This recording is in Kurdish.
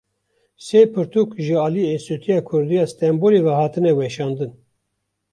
Sê pirtûk ji aliyê Enstîtuya Kurdî ya Stenbolê ve hatine weşandin.